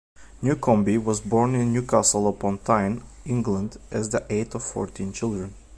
Newcombe was born in Newcastle-upon-Tyne, England, as the eighth of fourteen children.